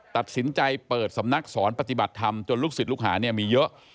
ตัดสินใจเปิดสำนักสอนปฏิบัติธรรมจนลูกศิษย์ลูกหาเนี่ยมีเยอะ